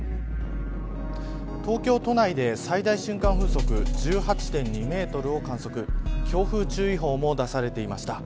東京都内で、最大瞬間風速１８．２メートルを観測強風注意報も出されていました。